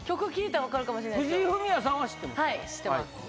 はい、知ってます。